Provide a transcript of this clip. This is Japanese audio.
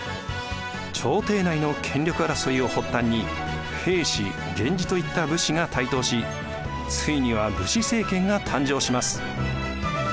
朝廷内の権力争いを発端に平氏源氏といった武士が台頭しついには武士政権が誕生します。